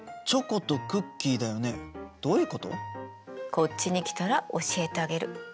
こっちに来たら教えてあげる。